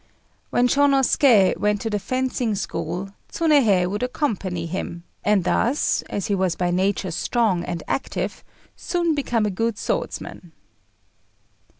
When Shônosuké went to the fencing school Tsunéhei would accompany him, and thus, as he was by nature strong and active, soon became a good swordsman.